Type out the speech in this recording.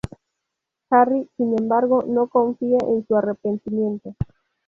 Harry, sin embargo, no confía en su arrepentimiento.